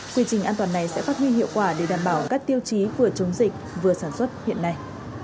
quy trình an toàn này sẽ phát huy hiệu quả để đảm bảo các tiêu chí vừa chống dịch vừa sản xuất hiện nay